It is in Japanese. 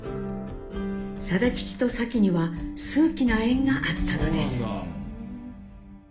定吉とサキには数奇な縁があったのです。